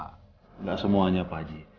tidak semuanya pak haji